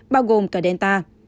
bao gồm cả delta